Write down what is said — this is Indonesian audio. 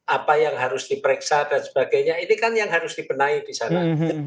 apa yang harus diperiksa dan sebagainya ini kan yang harus dibenahi di sana